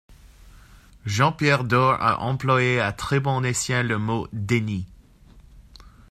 Jean-Pierre Door a employé à très bon escient le mot « déni ».